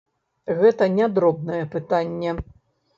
Гэта не дробнае пытанне.